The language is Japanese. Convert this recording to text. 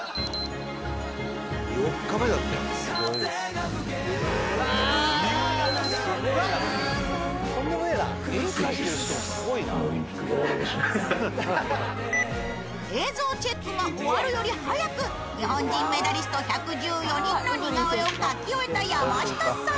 ４日目だってすごいです映像チェックが終わるより早く日本人メダリスト１１４人の似顔絵を描き終えた山下さん